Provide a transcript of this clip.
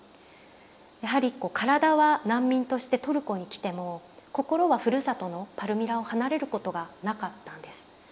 やはりこう体は難民としてトルコに来ても心はふるさとのパルミラを離れることがなかったんです。